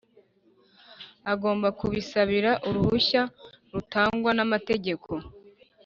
Agomba kubisabira uruhushya rutangwa n’amategeko